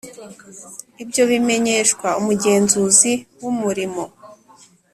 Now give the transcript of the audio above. Ibyo bimenyeshwa umugenzuzi w umurimo